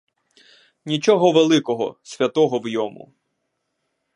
Нічого великого, святого в йому.